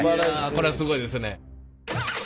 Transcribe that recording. これはすごいですね。